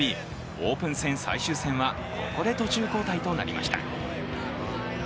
オープン戦最終戦はここで途中交代となりました。